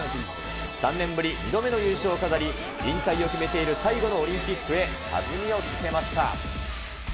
３年ぶり２度目の優勝を飾り、引退を決めている最後のオリンピックへ弾みをつけました。